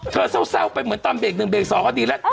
เศร้าไปเหมือนตอนเบรก๑เบรก๒ก็ดีแล้ว